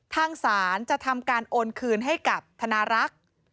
ทางศาลจะทำการโอนคืนให้กับธนารักษ์